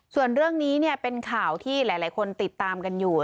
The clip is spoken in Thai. ส่วนเรื่องนี้เป็นข่าวที่หลายคนติดตามกันอยู่